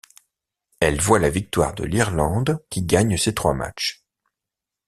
Elle voit la victoire de l'Irlande qui gagne ses trois matches.